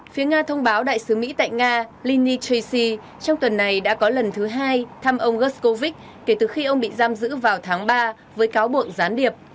phía nga thông báo đại sứ mỹ tại nga lini chay trong tuần này đã có lần thứ hai thăm ông gascow kể từ khi ông bị giam giữ vào tháng ba với cáo buộc gián điệp